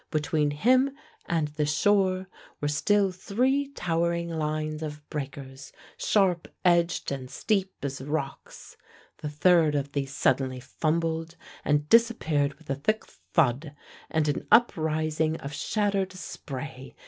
Between him and the shore were still three towering lines of breakers, sharp edged and steep as rocks: the third of these suddenly fumbled and disappeared with a thick thud, and an uprising of shattered spray.